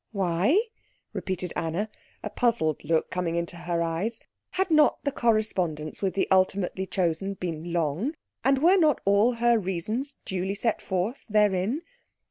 "Why?" repeated Anna, a puzzled look coming into her eyes. Had not the correspondence with the ultimately chosen been long? And were not all her reasons duly set forth therein?